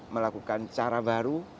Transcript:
melakukan cara baru